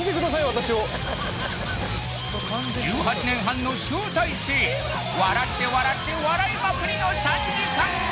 私を１８年半の集大成笑って笑って笑いまくりの３時間を